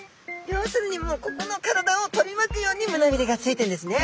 要するにもうここの体を取り巻くようにむなびれがついてるんですね。